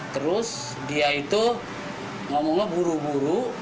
terus dia itu ngomongnya buru buru